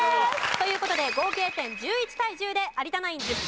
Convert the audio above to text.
という事で合計点１１対１０で有田ナイン１０ポイント獲得です。